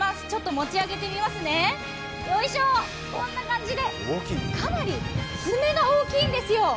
持ち上げてみますね、よいしょこんな感じで、かなり爪が大きいんですよ。